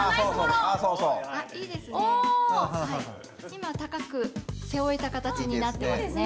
今高く背負えた形になってますね。